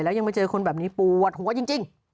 แล้วยังมาเจอคนแบบนี้ปวดหัวจริง